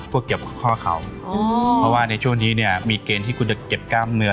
พวกเก็บข้อเข่าเพราะว่าในช่วงนี้เนี่ยมีเกณฑ์ที่คุณจะเก็บกล้ามเนื้อ